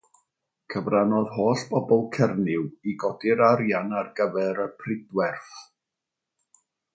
Cyfrannodd holl bobl Cernyw i godi'r arian ar gyfer y pridwerth.